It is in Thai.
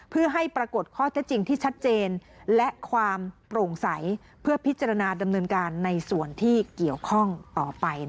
เพื่อให้ปรากฏข้อเท็จจริงที่ชัดเจนและความโปร่งใสเพื่อพิจารณาดำเนินการในส่วนที่เกี่ยวข้องต่อไป